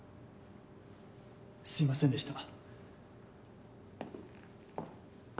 すみませんでした。